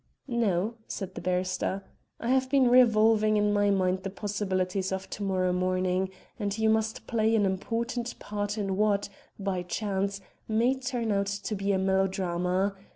"No," said the barrister. "I have been revolving in my mind the possibilities of to morrow morning, and you must play an important part in what, by chance, may turn out to be a melodrama.